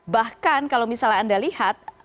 bahkan kalau misalnya anda lihat